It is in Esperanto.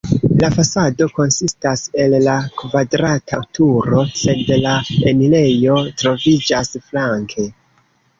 La fasado konsistas el la kvadrata turo, sed la enirejo troviĝas flanke.